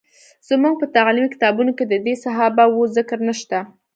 زموږ په تعلیمي کتابونو کې د دې صحابه وو ذکر نشته.